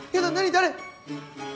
誰！？